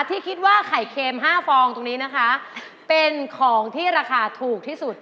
ที่คิดว่าไข่เค็ม๕ฟองตรงนี้นะคะเป็นของที่ราคาถูกที่สุด